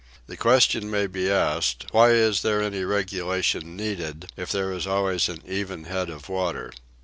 The question may be asked, why is there any regulation needed, if there is always an even head of water?